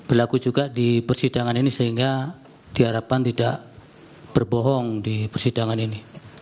berlaku juga di persidangan ini sehingga diharapkan tidak berbohong di persidangan ini